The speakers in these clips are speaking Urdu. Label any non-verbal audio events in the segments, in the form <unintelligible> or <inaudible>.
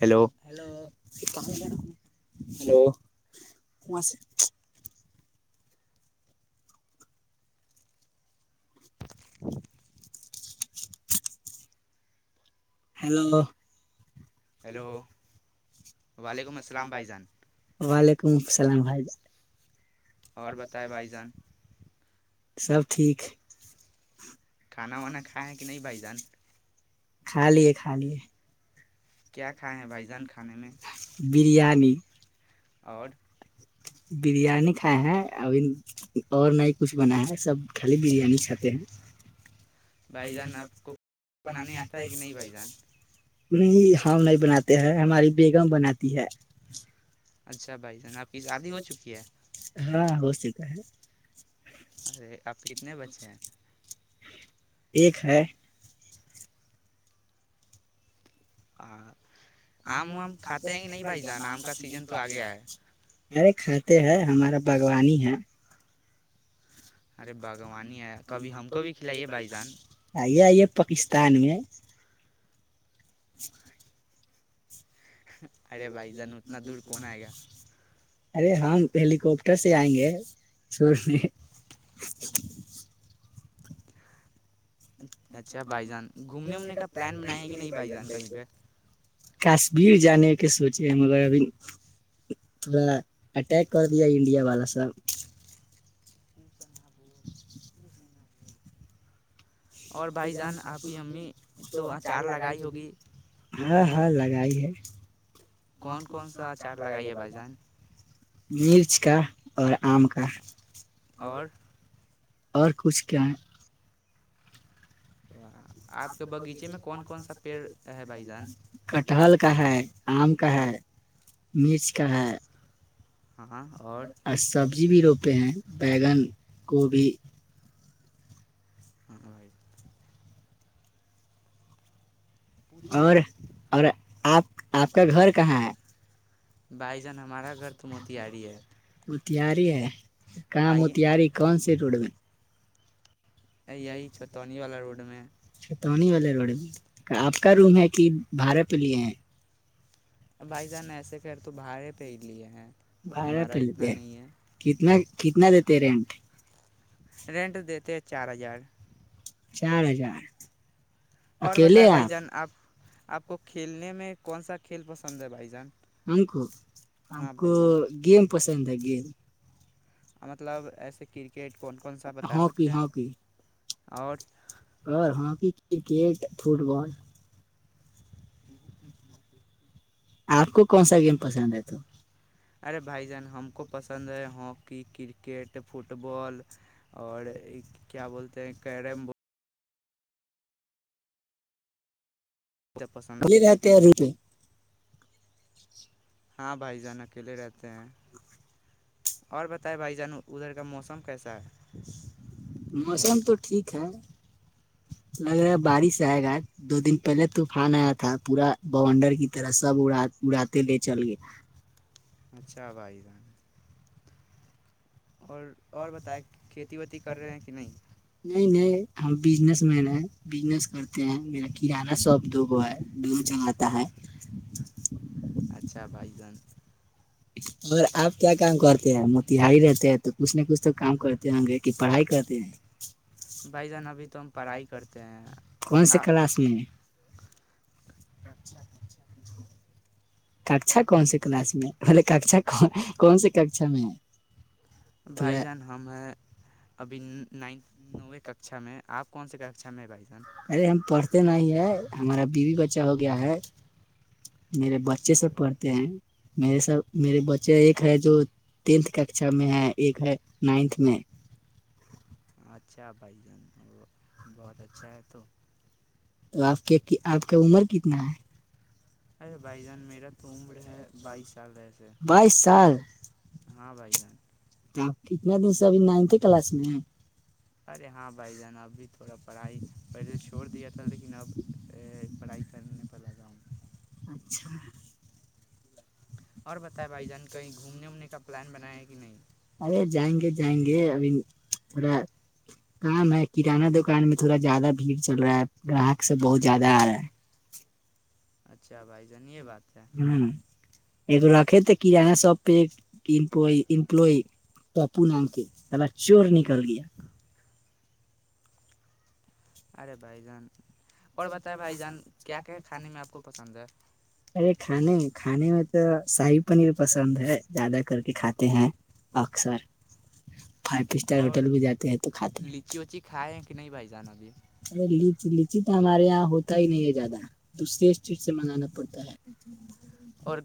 ہیلو ہلو م سے <unintelligible> <inaudible> ہیلو ہیلو وعلیکم السلام بھائی جان ہی <unintelligible> سلام بھائی اور بتائے بھائی جان سب ٹھیک <unintelligible> کھانا وانا کائے ہیں کہ نہیں بھائی جان کھا لیے کھا لیے کیا کھ کھائے ہیں بھائی جان بھان کھانے میں بریانی <unintelligible> ہ <unintelligible> اور بریانی کھائے ہیں ابھی اور نہیں ہی کچھ بنا ہے سب خالی بریانی کھاتے ہیں بھائی جان آپ کو بنانے آتا ہے کہ نہیں بھائی جان ہم نہیں بناتے ہیں ہماری بیگم بناتی ہے جی اچھا بھائی جن آپ کی شادی ہو چکی ہے چکا ہے ارے اب تنے بچے ہیں ایک ہے <inaudible> آم وم کھاتے ہیں ہی نہیں بھائی ج آم کا سیزن تو آ گیا ہے ارے کھاتے ہیں ہمارے سب باغوانی ہے ارے باغوانی ہے کبھی ہم کو بھی کھلائیے بھائی جان آ آئی ہے پاکستان میں س ارے بھائی جان اتنا دور کون آئے گا ارے ہاں ہیلییکپٹر سے آئیں گے <inaudible> اچھا بھائی جان <inaudible> گھومنے وومنے کا پلان بنائے ہیں کہ نہیں بھائی جان کہیں پہ بھیڑ جانے کے سوچے ہیں مگر ابھی تھوڑا اٹیک کر دیا انڈیا والا ساب اور بھائی جان آپ کی امی تو اچار لگائی ہوگی ہاں ہاں لگاائی ہے کون کون سا اچار لگائیے بھائی ج مرچ کا اور آم کا اور اور کچھ کیا ہے <inaudible> آپ کے باغیچے بگچے میں کون کون سا پیڑ ہے بھائی جان تل کٹہل کا ہے آم کا ہے مرچ کا ہے اور سبزی بھی روپے ہیں بیگن گبھی <inaudible> اور اور آپ آپ کا گھر کہاں ہے بھائی جان ہمارا گھر تو موتییاری ہے وہ تیاری ہے کا م آئیے ہوتییاری کون سی گ یہی چتونی والا روڈ میں ٹونی والے روڈ آپ کا روم ہے کہ بھاڑے پہ لیے ہیں بھائی جان ایسے کرتے تو بھاڈے پہ ہی لیے ہیں بھاڈے ہمارا پہ لیتے اتنا ہیں نہیں ہے کتنا کتنا دیتے تے رنٹ <unintelligible> رنٹ دیتے ہیں چار ہزار <unintelligible> چار ہزار <unintelligible> اور بتائے بھائی جان آپ آپ کو کھیلنے میں کون سا کھیل پسند ہے بھائی جان ہم کو ہم ہاں کو بھائی جان گیم پسند ہیں گیم <unintelligible> مطلب ایسے کی کیرکیٹ کون کون سا بتا ہاکی سکتے ہیں ہاکی اور اور ہاکی کرکٹ فٹ بال آپ کو کون سا گیم پسند ہے تو ارے بھائی جان ہم کو پسند ہے ہاکی کرکٹ فٹ بال اور کیا بولتے ہیں کیرم بوڈ <unintelligible> بہت پسند یہ ہے۔ رہتے ہیں روہ میں ہاں بھائی جان اکیلے رہتے ہیں اور بتائے بھائی جان ادھر کا موسم کیسا ہیں <unintelligible> موسم تو ٹھیک ہے لگ رہا ہے بارش آئے گا دو دن پہلے طوفان آیا تھا پورا بونڈر کی طرح سب اڑا اڑاتے لے چل گئے اچھا بھائی جان اور اور بتائے کھیتی بتی کر رہے ہیں کہ نہیں اس میں نے بزنس کرتے ہیں میرا کرانہ شابپ دو گو ہے <unintelligible> <unintelligible> اچھا بھائی جان اور آپ کیا کام کرتے ہیں موتہائی رہتے ہیں تو کچھ نہ کچھ تو کام کرتے ہیں کہ پڑھائی کرتے ہیں بھائی جان ابھی تو ہم پڑھائی کرتے ہیں کون سی کلاس میں اچھا اچھا ککشا کون سے کلاس میں بلے ککشا کون سی ککشا میں ہے بھائی تھوڑا جان ہم ابھی نائنتھ نووے ککشا میں آپ کون سے ککشا میں بھائی صاحب ارے ہم پڑھتے نہیں ہے ہمارا بیوی بچہ ہو گیا ہے میرے بچے اچھا سب بھائی پڑھتے ہیں میرے سب میرے بچے ایک ہے جو ٹینھ کشا میں ہے ایک ہے نائنتھ میں اچھا بھائی جان بہت اچھا ہے تو تو آپ کے آپ کا عمر کتنا ہے ارے بھائی جان میرا تو عمرا بائیس سال ایسے بائیس سال ہاں بھائی جان تو آپ کتنے دن سے ابھی نائنتھ کلاس میں ارے ہاں بھائی جان ابھی تھوڑا پڑھائی پہلے چھوڑ دیا تھا لیکن اب پڑھائی کرنے پر لگا ہوں اچھا اور بتائے بھائی جان کہیں گھومنے وومنے کا پلان بنایا ہے کہ نہیں ارے جائیں گے جائیں گے ابھی تھوڑا کام ہے کرانہ دکان میں تھوڑا زیادہ بھیڑ چل رہا ہے گراہک سب بہت زیادہ آ رہا ہے اچھا بھائی جنی یہ بات ہے ہوں ایک رکھے تھے کرانہ شوپ پہ ایمپلئی پاپو نام کے پا چور نکل گیا ارے بھائی جان اور بتائے بھائی جان کیا کیا کھانے میں آپ کو پسند ہے ارے کھانے کھانے میں شاہی پنیر پسند ہے زیادہ کر کے کھاتے ہیں اکثر فائیو اسٹار اور ہوٹل میں جاتے ہیں تو کھاتے ہیں لیچی ووچی کھائے ہیں کہ نہیں بھائی جان ابھی چلی چیز تو ہمارے یہاں ہوتا ہی نہیں ہے زیادہ دوسرریے اس چیز سے منگانا پڑتا ہے اور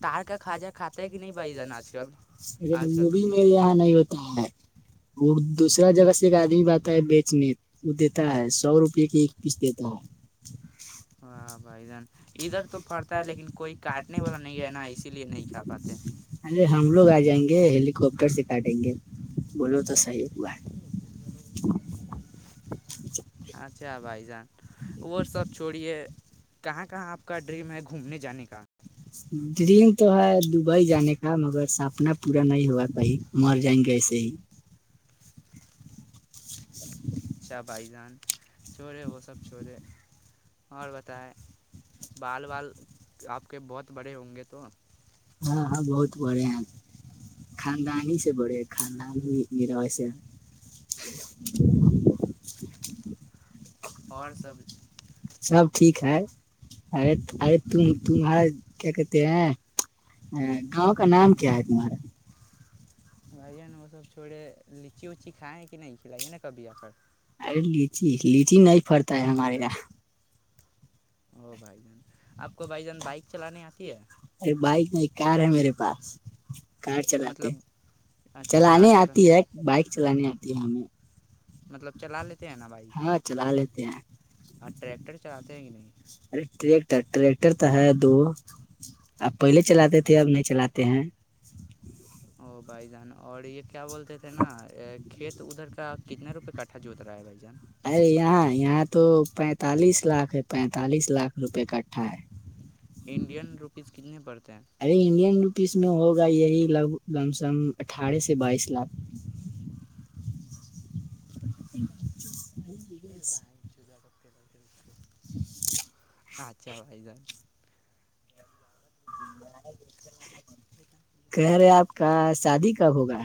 تار کا کھواجہ کھاتا ہے کہ نہیں بھائی جان آج کل آج کل وہ بھی توی میرے یہاں نہیں ہوتا ہے وہ دوسرا جگہ سے ایک آدمی ب آتا ہے بیچنے وہ دیتا ہے سو روپے کی پچ دیتا واہ بھائی جان ادھر تو پڑتا ہے لیکن کوئی کا کاٹنے والا نہیں ہے نا نہیںا اسی لیے نہیں کھا پاتے ارے ہم لوگ آ جائیں گے کوپٹر سے کاٹیں گے بولو تو صحیح ب اچھا بھائی جان وہ سب چھوڑی ہے کہاں کہاں آپ کا ڈریم ہے گھومنے جانے کا ن تو ہے دبئی جانے کا مگر سپنا پورا نہیں ہوا کہئی مر جائیں گے ایسے ہی <inaudible> اچھ بھائی جان چورے وہ سب چورے اور بتائائے بال بال آپ کے بہت بڑے ہوں گے تو ہاں ہاں بہت بڑھے ہیں خاندانی ہی سے بڑے ہیں خاندان ہی میریرا ویسے ہے <inaudible> اور سب سب ٹھیک ارے ارے ت تمہارا کیا کہتے ہیں گاؤں کا نام کیا ہے تمہارا بھائی وہ سب چھوڑے لچی اچی کھائے ہیں کہ نہیں کھلائیے نا کبھی آخر ارے لچی لچی نہیں پڑتا ہے ہمارے یہاں ہو بھائی جان آپ کو بھائی جان بائک چلانے آتی ہے ارے بائک میں ایک کار ہے میرے پاس کار چلاتے مطلب اچھا کار چلانے چلا آتی ہے بائک چلانے آتی د ہم میںیں <unintelligible> مطلب چلا لیتے ہیں نا بائک چلا لیتے ہیں اور ٹریکٹر چلاتے ہیں کہ نہیں ارے ٹریکٹر ٹریکٹر تو ہے دو اب پہلے چلاتے تھے اب نہیں چلاتے ہیں او بھائی جان اور ایک کیا بولتے تھے نا کھیت ادھر کا کتنے رپئے ک کاٹا جوت رہ ہے بھ جان ارے یہاں یہاں تو پینتالیس لاکھ ہے پینتالیس لاکھ روپے کٹھا ہے انڈین روپیز کتنے پڑتے ہیں ارے انڈین روپیز میں ہوگا یہی ل لم سم اٹھارہ سے بائیس لاکھ <unintelligible> ج سب کے دے <unintelligible> اچھا بھائی جن <unintelligible> کہ رہے آپ کا شادی کب ہوگا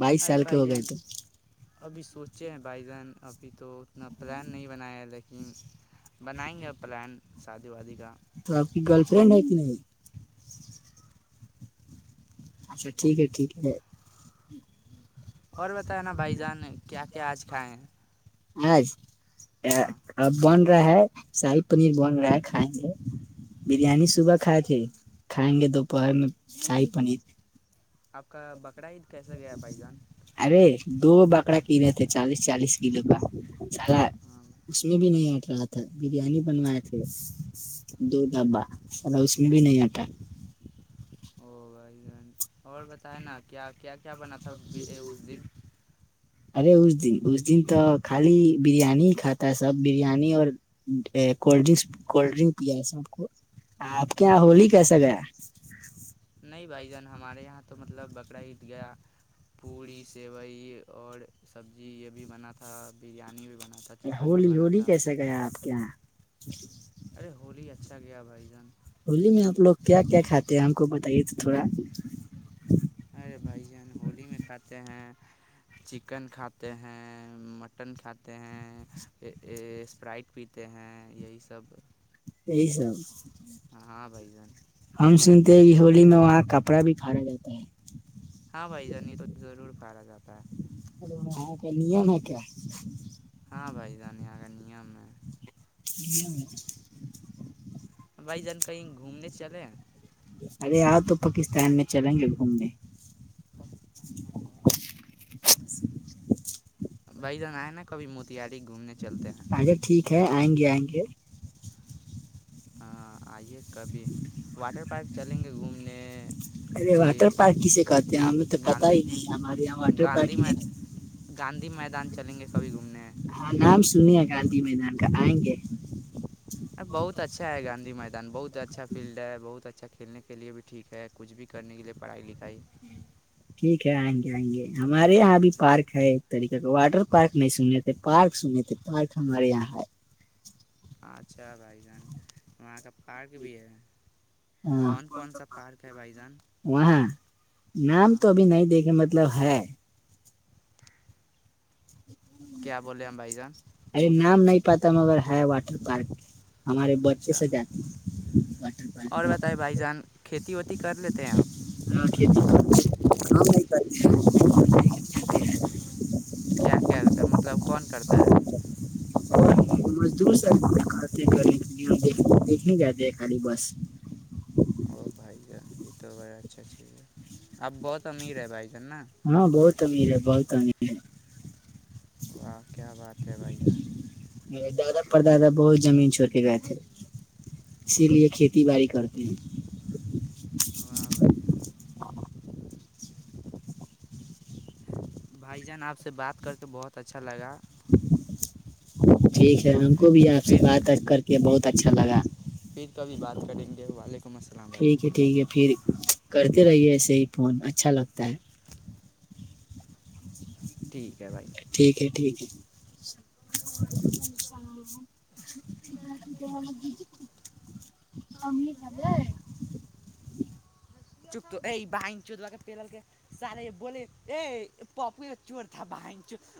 بائیس ارے سال کے بھائی ہوگائے جان تو ابھی سوچے ہیں بھائی جان ابھی تو اتنا پلان نہیں بنایا ہے لیکن بنائیں گے پلان شادی وادی کا تو آپ کی گرل فرینڈ ہے کہ نہیں اچھا ٹھیک ہے ٹھیک ہے اور بتیا نا بھائی جان کیا کیا آج کھائے ہیں آج ہاں <unintelligible> ا بند <unintelligible> رہا ہے شاہی پنیر بن رہا ہے کھائیں گے بریانی صبح کھائے تھے کھائیں گے دوپہر میں شاہی پنیر آپ کا ب <unintelligible> ارے دو بکرا کینےے تھے چالیس چالیس ک ل کا <unintelligible> سا ہاں اس میں بھی نہیں ہٹ رہا تھا بریانی بنوائے تھے دو ڈبا اور بھی نہیں آتاا <unintelligible> او بھائی گن اور بتائے نا کیا کیا کیا بنا تھا اس دن ارے اس اس دن تو خالی بریانی ہی کھاتا ہے سب بریانی اور کولڈ ڈنک کولڈ ڈرنک پیا سب کو آپ کے یہاں ہولی نہیں کیسا گیا نہیں بھائی جان ہمارے یہاں تو مطلب بکرا ہید گیا پوڑی سیوئی اور سبزی یہ بھی بنا تھا بریانی بھی بنا تھا چکن بھی ہولی بنا ہولی تھا کیسے گیا آپ کے یہاں <inaudible> ارے ہولی اچھا گیا بھائی جان ہولی میں آپ لوگ کیا کیا کھاتے ہیں ہم کو بتائیے تو تھوڑا ارے بھائی جان ہولی میں کھاتے ہیں چکن کھاتے ہیں مٹن کھاتے ہیں اسپرائٹ پیتے ہیں یہی سب یہی سب ہاں بھائی جان ہم سنتے ہیں کہ ہولی میں وہاں کا کپڑا بھی کھانا جاتا ہے ہاں بھائی جنیضور کارا جاتا ہے ا کیا نم ہے کیا ہاں بھائی دان یہاں کا نیم ہے <inaudible> بھائی جان کہیں گھومنے چلے ارے آ تو پاکستان میں چلیں گے گھومنے بھ جن آئے نا کبھی موتی یاد گھومنے چلتے ہیں اچھا ٹھیک آئیں گے آئیں گے ہاں آئیے کبھی واٹر پارک چلیں گے گھومنے ارے واٹر یہ پارک کسے کہتے ہیں ہمیں تو پتہ گاندھی ہی نہیں ہمارے یہاں واٹر گاندھی پارک ہی م نہیں گاندھی میدان چلیں گے کبھی گھومنے ہاں نام سنی ہے گاندھی میدان آئیں گے بہت اچھا ہے گاندھی م ن بہت اچھا فیلڈ ہے بہت اچھا کھیلنے کے لیے بھی ٹھ ہے کچھ بھی کرنے کے لیے پڑھائی لکھائی ٹھیک ہے آئیں گے آئیں گے ہمارے یہاں اب پارک ہے ایک طریقے کا واٹر پارک نہیں سنے تھے پارک سنے تھے پارک ہمارے یہاں ہے اچھا بھائی جان وہاں کا پارک بھی ہے ہاں کون کون سا پارک ہے بھائی جان وہاں نیم ہاں تو ابھی نہیں دیکھے م مطلب ہے کیا بولے ہم بھائی جان ارے نام نہیں پتا مگر ہے واٹر پارک ہمارے بچے اچھا سے جاتے واٹر پارک اتی ہاں کھیتی کر کام نہیں کر اک کیا کیا مطلب کون کرتا پ اور مزدور س کرنے کے لیے ہمیک دیکھنے جاتے ہیں خالی بس او بھائی جان یہ تو بڑا اچھا چاہیے ہاں بہت امیر ہے بہت امیر <inaudible> واہ کیا بات ہے بھائی جان ہے میرے دادا پردادا بہت زمین چھوڑ کے گئے اسی لیے کھیتی باڑی کرتے ہیں واہ بھائی جان بھائی جان آپ سے بات کر کے بہت اچھا لگا ٹھیک ہے ہم کو بھی آپ سے پھر بات کر کے بہت اچھا لگا پھر تو ابھی بات کریں گے والے ٹھیک ہے ٹھیک ہے پھر کرتے رہیے ایسے ہی فون اچھا لگتا ہے <unintelligible> ٹھیک ہے بھائی السلام علیکم سلام <unintelligible> <unintelligible>